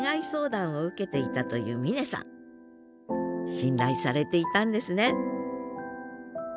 信頼されていたんですね